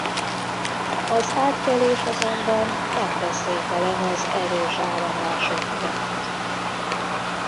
Az átkelés azonban nem veszélytelen az erős áramlások miatt.